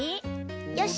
よし！